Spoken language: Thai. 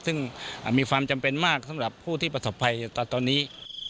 ซึ่งมีความจำเป็นมากสำหรับผู้ที่ประสบภัยตอนนี้